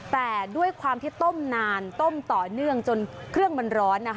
แต่ด้วยความที่ต้มนานต้มต่อเนื่องจนเครื่องมันร้อนนะคะ